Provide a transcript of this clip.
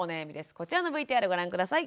こちらのＶＴＲご覧下さい。